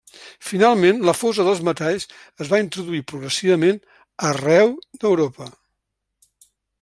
Finalment, la fosa dels metalls es va introduir progressivament arreu d'Europa.